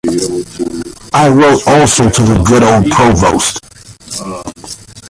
I wrote also to the good old provost.